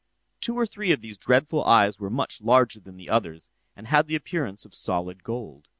Two or three of these dreadful eyes were much larger than the others, and had the appearance of solid gold.